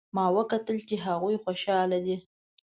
ما وکتل چې هغوی خوشحاله دي